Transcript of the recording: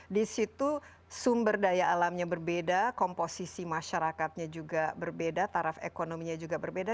di situ sumber daya alamnya berbeda komposisi masyarakatnya juga berbeda taraf ekonominya juga berbeda